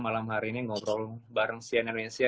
malam hari ini ngobrol bareng sian indonesia